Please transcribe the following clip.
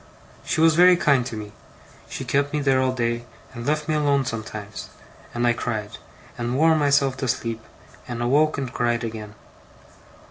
She was very kind to me. She kept me there all day, and left me alone sometimes; and I cried, and wore myself to sleep, and awoke and cried again.